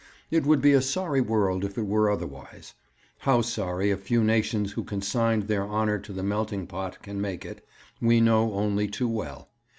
It would be a sorry world if it were otherwise; how sorry a few nations who consigned their honour to the melting pot can make it, we know only too well.